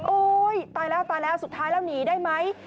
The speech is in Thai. ตายแล้วตายแล้วสุดท้ายแล้วหนีได้ไหม